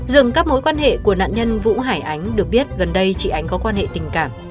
dừng các mối quan hệ của nạn nhân vũ hải ánh được biết gần đây chị ánh có quan hệ tình cảm